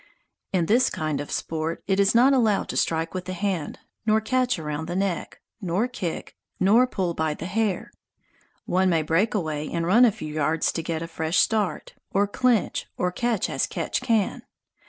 In this kind of sport it is not allowed to strike with the hand, nor catch around the neck, nor kick, nor pull by the hair. One may break away and run a few yards to get a fresh start, or clinch, or catch as catch can.